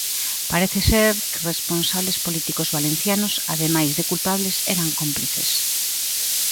Parece ser que responsables políticos valencianos, ademais de culpables, eran cómplices.